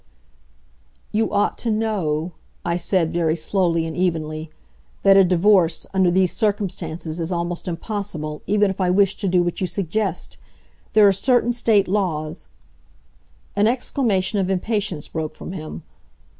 "You ought to know," I said, very slowly and evenly, "that a divorce, under these circumstances, is almost impossible, even if I wished to do what you suggest. There are certain state laws " An exclamation of impatience broke from him.